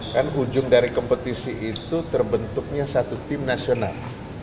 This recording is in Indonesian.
kan ujung dari kompetisi itu terbentuknya satu tim nasional